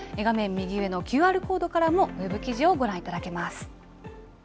右上のＱＲコードからもＷＥＢ記事をご覧いただけます。